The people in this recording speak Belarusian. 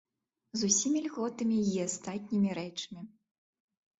З усімі льготамі і астатнімі рэчамі.